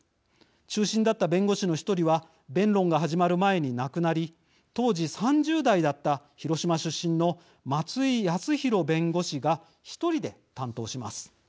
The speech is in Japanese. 中心だった弁護士の１人は弁論が始まる前に亡くなり当時３０代だった広島出身の松井康浩弁護士が１人で担当します。